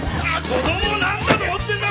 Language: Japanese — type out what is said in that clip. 子供をなんだと思ってんだ！？